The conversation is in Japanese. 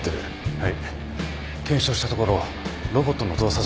はい。